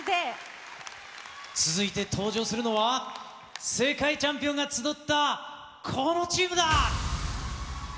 続いて登場するのは、世界チャンピオンが集ったこのチームだ。